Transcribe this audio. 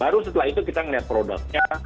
baru setelah itu kita melihat produknya